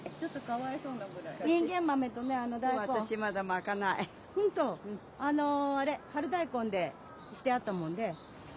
あのあれ春大根でしてあったもんで。